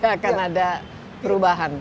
tidak akan ada perubahan